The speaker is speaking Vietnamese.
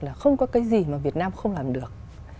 là không có cái gì mà việt nam không làm được